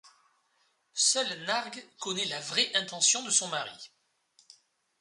Seule Nargues connaît la vraie intention de son mari.